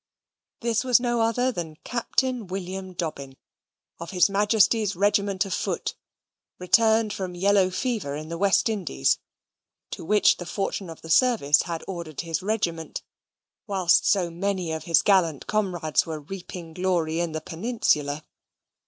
This was no other than Captain William Dobbin, of His Majesty's Regiment of Foot, returned from yellow fever, in the West Indies, to which the fortune of the service had ordered his regiment, whilst so many of his gallant comrades were reaping glory in the Peninsula.